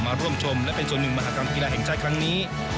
ร่วมชมและเป็นส่วนหนึ่งมหากรรมกีฬาแห่งชาติครั้งนี้